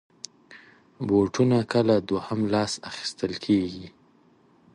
بوټونه کله دوهم لاس اخېستل کېږي.